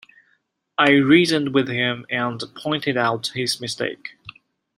I reasoned with him, and pointed out his mistake.